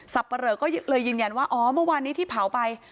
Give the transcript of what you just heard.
ปะเหลอก็เลยยืนยันว่าอ๋อเมื่อวานนี้ที่เผาไป